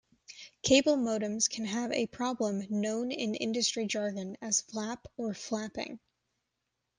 Cable modems can have a problem known in industry jargon as "flap" or "flapping".